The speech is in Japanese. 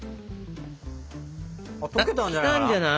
あっ溶けたんじゃない？